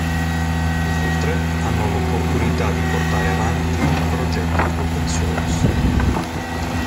Inoltre, hanno l'opportunità di portare avanti progetti Open Source.